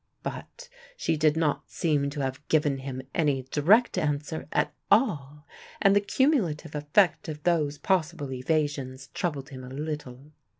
But she did not seem to have given him any direct answer at all, and the cumulative effect of those possible evasions troubled him a little.